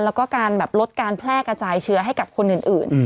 แล้วก็การลดการแพร่กระจายเชื้อให้กับคนอื่น